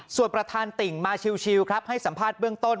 ส่วนประธานติ่งมาชิวครับให้สัมภาษณ์เบื้องต้น